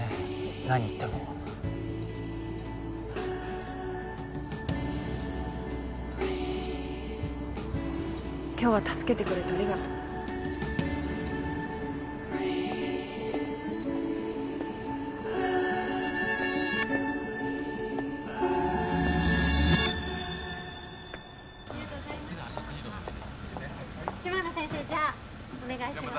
何言っても今日は助けてくれてありがとうありがとうございました先生じゃあお願いします